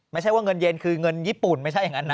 ไม่ใช่ว่าเงินเย็นคือเงินญี่ปุ่นไม่ใช่อย่างนั้นนะ